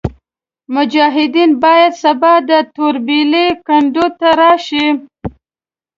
مجاهدین باید سبا د توربېلې کنډو ته راشي.